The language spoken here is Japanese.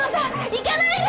行かないで！